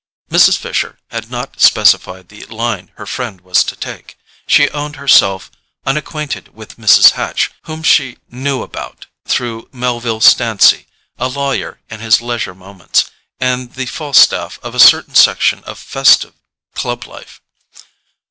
Mrs. Fisher had not specified the line her friend was to take; she owned herself unacquainted with Mrs. Hatch, whom she "knew about" through Melville Stancy, a lawyer in his leisure moments, and the Falstaff of a certain section of festive club life.